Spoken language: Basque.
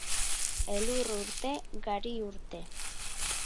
Elur urte, gari urte.